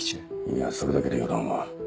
いやそれだけで予断は。